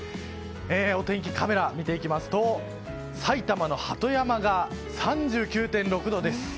お天気カメラを見ていきますと埼玉の鳩山が３９．６度です。